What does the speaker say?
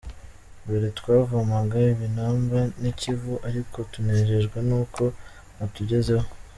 Mbere twavomaga ibinamba, n’Ikivu ariko tunejejwe n’uko atugezeho.